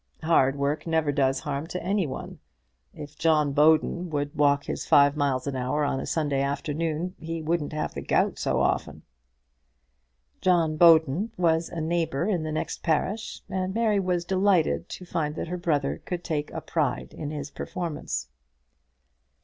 "Hard work never does harm to any one. If John Bowden would walk his five miles an hour on a Sunday afternoon he wouldn't have the gout so often." John Bowden was a neighbour in the next parish, and Mary was delighted to find that her brother could take a pride in his performance.